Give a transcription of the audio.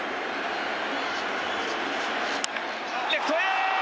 レフトへ！